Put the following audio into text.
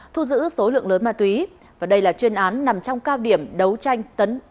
thu giữ số lượng lớn ma túy và đây là chuyên án nằm trong cao điểm đấu tranh